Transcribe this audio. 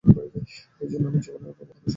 এ জন্যই আমি জীবনেও বাবা হতে চাই না।